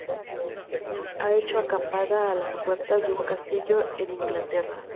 Ha hecho acampada a las puertas de un castillo en Inglaterra.